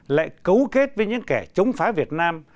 lại cấu kết với những kẻ chống phá việt nam